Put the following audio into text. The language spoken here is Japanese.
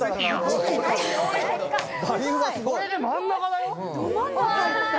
それで真ん中だよ。